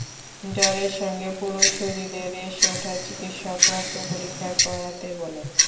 জ্বরের সঙ্গে পুরো শরীরে রেশ ওঠায় চিকিৎসক রক্ত পরীক্ষা করাতে বলে।